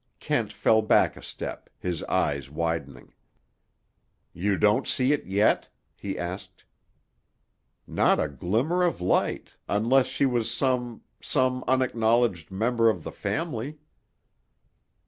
Kent fell back a step, his eyes widening. "You don't see it yet?" he asked. "Not a glimmer of light. Unless she was some—some unacknowledged member of the family."